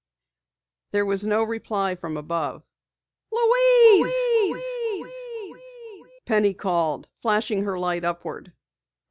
There was no reply from above. "Louise!" Penny called, flashing her light upward.